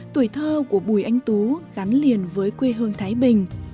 tuổi thơ của bùi anh tú gắn liền với quê hương thái bình